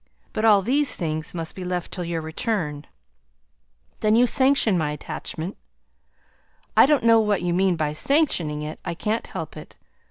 But all these things must be left till your return." "Then you sanction my attachment?" "I don't know what you mean by sanctioning it. I can't help it.